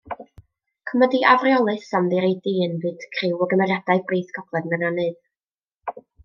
Comedi afreolus am ddireidi ynfyd criw o gymeriadau brith gogledd Meirionnydd.